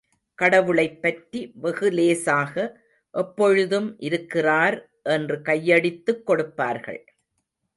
கடவுளைப் பற்றி வெகுலேசாக, எப்பொழுதும் இருக்கிறார் என்று கையடித்துக் கொடுப்பார்கள்.